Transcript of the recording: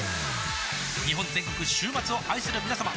日本全国週末を愛するみなさま